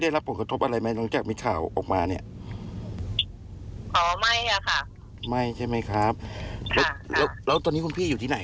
ถ้าคุณมาชื่อภาพใครมากนะเดี๋ยวเราจะแจ้งตำรวจด้วยว่า